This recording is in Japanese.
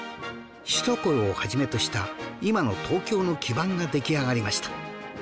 首都高を始めとした今の東京の基盤が出来上がりました